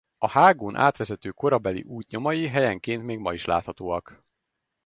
A hágón átvezető korabeli út nyomai helyenként még ma is láthatóak.